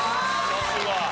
さすが。